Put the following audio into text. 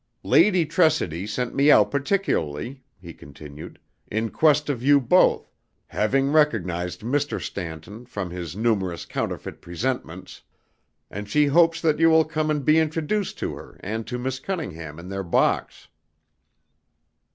"Lady Tressidy sent me out particularly," he continued, "in quest of you both, having recognised Mr. Stanton from his numerous counterfeit presentments, and she hopes that you will come and be introduced to her and to Miss Cunningham in their box."